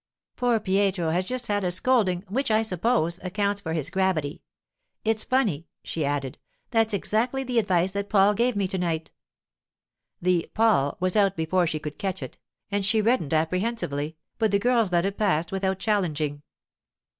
'Poor Pietro has just had a scolding, which, I suppose, accounts for his gravity. It's funny,' she added, 'that's exactly the advice that Paul gave me to night.' The 'Paul' was out before she could catch it, and she reddened apprehensively, but the girls let it pass without challenging.